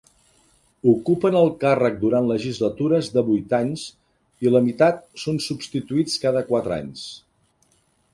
Ocupen el càrrec durant legislatures de vuit anys i la meitat són substituïts cada quatre anys.